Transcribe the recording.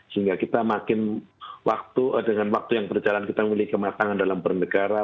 sehingga kita makin waktu dengan waktu yang berjalan kita memiliki kematangan dalam bernegara